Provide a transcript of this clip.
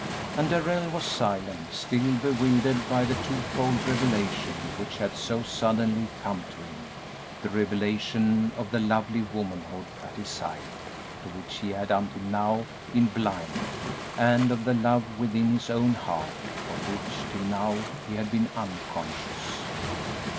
And Darrell was silent, still bewildered by the twofold revelation which had so suddenly come to him; the revelation of the lovely womanhood at his side, to which he had, until now, been blind, and of the love within his own heart, of which, till now, he had been unconscious.